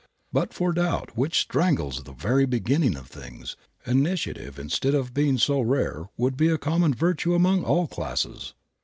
But for doubt, which strangles the very beginning of things, initiative instead of being so rare would be a common virtue among all classes.